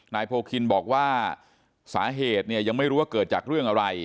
โพคินบอกว่าสาเหตุเนี่ยยังไม่รู้ว่าเกิดจากเรื่องอะไร